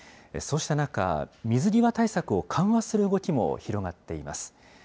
そうした中、水際対策を緩和する動きも広がっています。